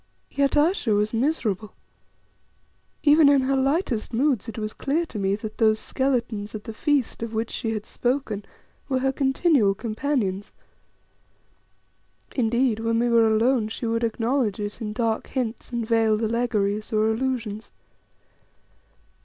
Yet Ayesha was miserable. Even in her lightest moods it was clear to me that those skeletons at the feast of which she had spoken were her continual companions. Indeed, when we were alone she would acknowledge it in dark hints and veiled allegories or allusions.